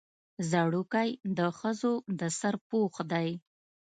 ځړوکی د ښځو د سر پوښ دی